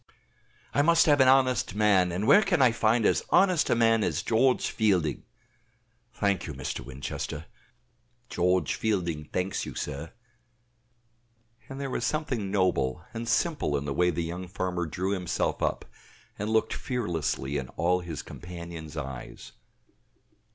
"I must have an honest man, and where can I find as honest a man as George Fielding?" ("Thank you, Mr. Winchester; George Fielding thanks you, sir.") And there was something noble and simple in the way the young farmer drew himself up, and looked fearlessly in all his companions' eyes.